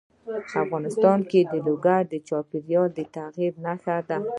افغانستان کې لوگر د چاپېریال د تغیر نښه ده.